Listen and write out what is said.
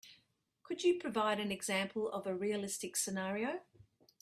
Could you provide an example of a realistic scenario?